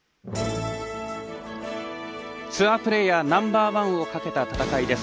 ツアープレーヤーナンバーワンをかけた戦いです。